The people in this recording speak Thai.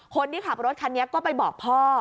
คนที่ขับรถคันนี้ก็ไปบอกพ่อ